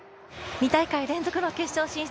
２大会連続の決勝進出